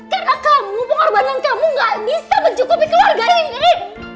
karena pengorbanan kamu gak bisa mencukupi keluarga ini